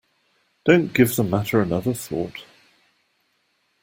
Don't give the matter another thought.